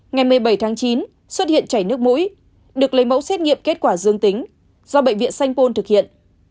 ngày một mươi bảy tháng chín xuất hiện chảy nước mũi được lấy mẫu xét nghiệm kết quả dương tính do bệnh viện sanh pôn thực hiện